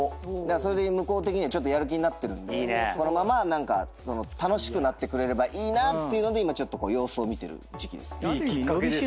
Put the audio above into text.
それで向こう的にはちょっとやる気になってるんでこのまま楽しくなってくれればいいなっていうので今様子を見てる時期ですね。